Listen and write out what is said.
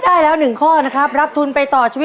จบจบจบ